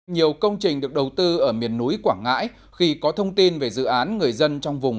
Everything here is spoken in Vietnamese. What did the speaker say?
nhiều công trình được đầu tư ở miền núi quảng ngãi khi có thông tin về dự án người dân trong vùng